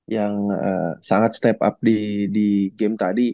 yang sangat step up di game tadi